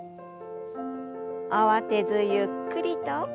慌てずゆっくりと。